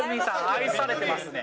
愛されてますね。